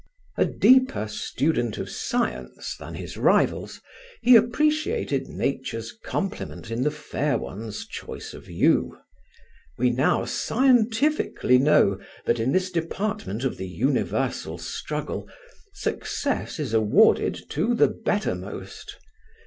A deeper student of Science than his rivals, he appreciated Nature's compliment in the fair ones choice of you. We now scientifically know that in this department of the universal struggle, success is awarded to the bettermost.